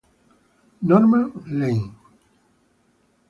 Norman Lane